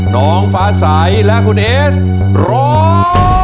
น้องฟ้าใสและคุณเอสร้อง